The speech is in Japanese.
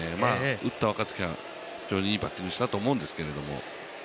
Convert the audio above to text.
打った若月が非常にいいバッティングしたと思うんですけど。